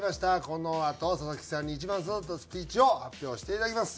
このあと佐々木さんに一番刺さったスピーチを発表していただきます。